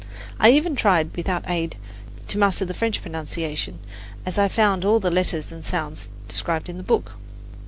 I even tried, without aid, to master the French pronunciation, as I found all the letters and sounds described in the book.